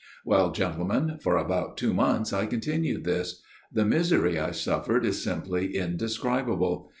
" Well, gentlemen, for about two months I continued this. The misery I suffered is simply indescribable.